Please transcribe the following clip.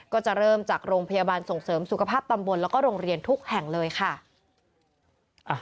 ก็จะเริ่มจากโรงพยาบาลส่งเสริมสุขภาพตำบลแล้วก็โรงเรียนทุกแห่งเลยค่ะ